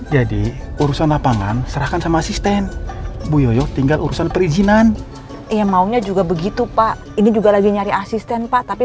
jadi bu yoyah itu enggak perlu melakukan segala sesuatunya itu sendiri